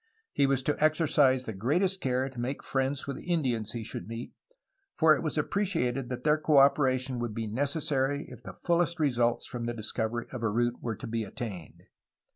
He was to exercise the greatest care to make friends with the Indians he should meet, for it was appreciated that their co operation would be necessary if the fullest results from the discovery of a route were to be attained.